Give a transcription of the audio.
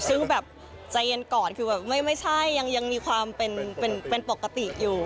ซึ่งแบบใจเย็นก่อนคือแบบไม่ใช่ยังมีความเป็นปกติอยู่